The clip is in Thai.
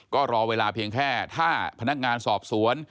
ก็รอเวลาเพียงแค่ถ้าพนักงานสอบสวน